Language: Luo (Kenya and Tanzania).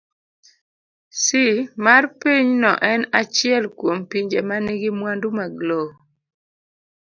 C. mar Pinyno en achiel kuom pinje ma nigi mwandu mag lowo